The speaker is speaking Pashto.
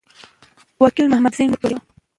وکیل محمدزی مو مور پوښتلي وه.